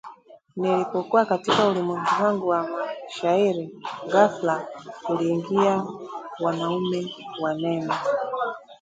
Nilipokuwa katika ulimwengu wangu wa mashairi, ghafla kuliingia wanaume wanne